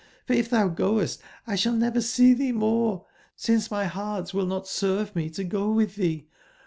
for if tbou goest, X sball never see tbee more, since my beart will not serve me to go witb tbee.